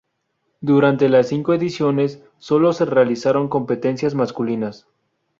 Durante las cinco ediciones solo se realizaron competencias masculinas.